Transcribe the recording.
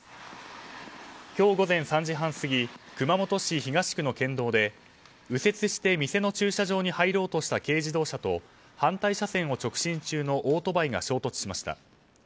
今日午前３時半過ぎ熊本市東区の県道で右折して店の駐車場に入ろうとした軽自動車と反対車線を直進中のオートバイが衝突しました。